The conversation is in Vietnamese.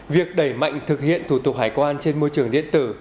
việc đẩy mạnh thực hiện thủ tục hải quan trên môi trường điện tử